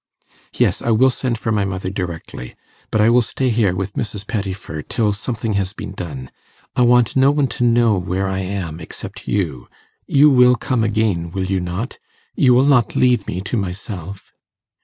'Yes, I will send for my mother directly. But I will stay here, with Mrs. Pettifer, till something has been done. I want no one to know where I am, except you. You will come again, will you not? you will not leave me to myself?